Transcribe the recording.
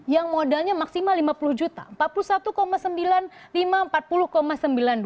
yang modalnya maksimal rp lima puluh juta